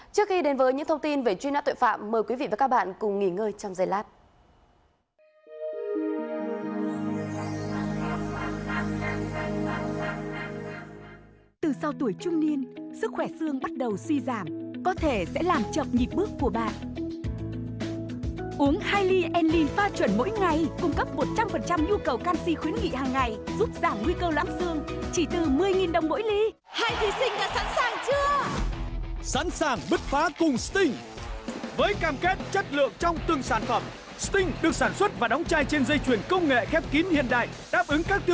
trước khi đến với những thông tin về chuyên án tội phạm mời quý vị và các bạn cùng nghỉ ngơi trong giây lát